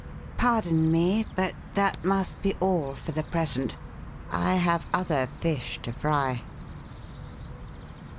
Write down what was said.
Pardon me, but that must be all for the present. I have other fish to fry."